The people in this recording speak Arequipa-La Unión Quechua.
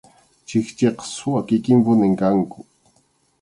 Chikchiqa suwa kikinpunim kanku.